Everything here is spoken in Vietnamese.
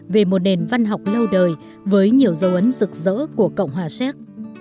về một nền văn học lâu đời với nhiều dấu ấn rực rỡ của cộng hòa séc